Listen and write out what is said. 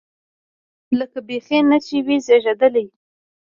لکه بيخي نه چې وي زېږېدلی.